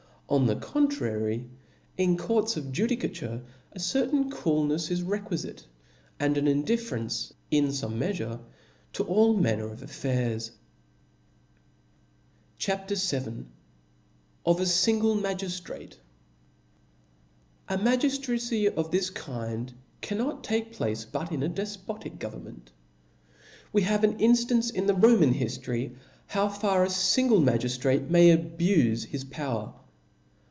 On the contrary, in courts of ju dicature a certain coolnefs is requifite, and an indif ferencet in fome meafure, to all manner of affiiirs. C rt A P. VII. Of a Jingle Magtjirate. Magiftracy of this kind cannot take placfe but in a defpotic government. We have an inftance in the Roman hiftory how far a fingje magiftrate may abufe his power.